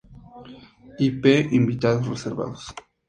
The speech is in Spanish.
I. P. Invitados reservados.